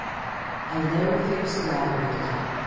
A low, fierce growl greeted him.